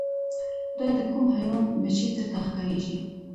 دا د کوم حیوان بچی درته ښکاریږي